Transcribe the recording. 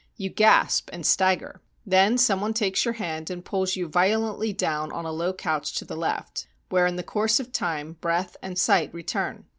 You gasp and stagger. Then some one takes your hand and pulls you violently down on a low couch to the left, where in course of time breath and sight return.